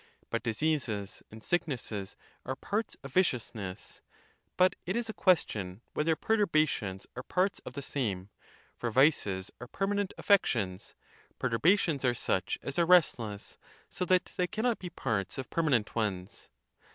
But diseases and sicknesses are parts of viciousness ; but it is a question whether perturbations are parts of the same, for vices are permanent affections: perturbations are such as are restless; so that they cannot be parts of permanent ones.